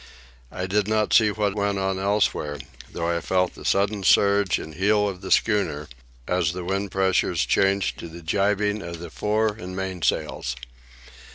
I did not see what went on elsewhere, though I felt the sudden surge and heel of the schooner as the wind pressures changed to the jibing of the fore and main sails.